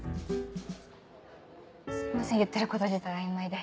すいません言ってること自体曖昧で。